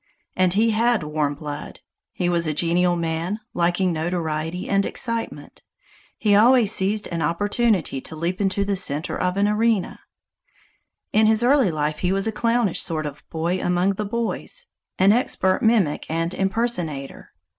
And he had warm blood. He was a genial man, liking notoriety and excitement. He always seized an opportunity to leap into the center of the arena. In early life he was a clownish sort of boy among the boys an expert mimic and impersonator.